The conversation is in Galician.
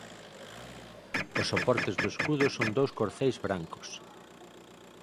Os soportes do escudo son dous corceis brancos.